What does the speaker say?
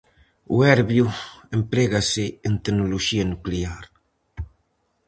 O erbio emprégase en tecnoloxía nuclear.